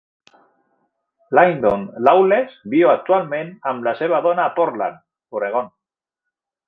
Lyndon Lawless viu actualment amb la seva dona a Portland, Oregon.